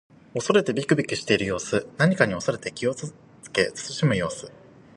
恐れてびくびくしている様子。何かに恐れて気をつけ慎む様子。